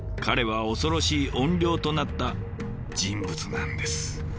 彼は恐ろしい怨霊となった人物なんです。